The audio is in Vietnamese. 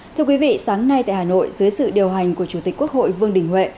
thưa quý vị sáng nay tại hà nội dưới sự điều hành của chủ tịch quốc hội vương đình huệ